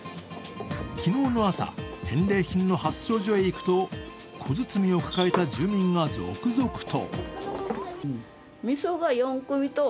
昨日の朝返礼品の発送所に行くと、小包を抱えた住民が続々と。